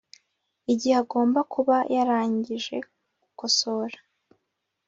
igihe agomba kuba yarangije gukosora